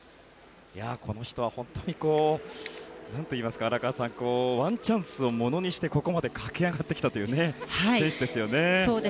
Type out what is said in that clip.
この人は本当にワンチャンスをものにしてここまで駆け上がってきた選手ですよね。